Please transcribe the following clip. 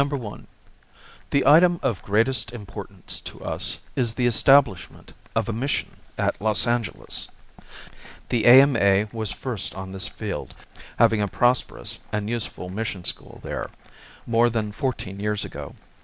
The item of greatest importance to us is the establishment of a mission at Los Angeles. The A.M.A. was first on this field, having had a prosperous and useful mission school there, more than fourteen years ago.